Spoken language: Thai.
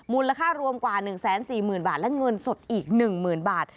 มูลค่ารวมกว่า๑๔๐๐๐บาทและเงินสดอีก๑๐๐๐บาท